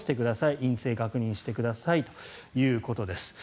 陰性を確認してくださいということです。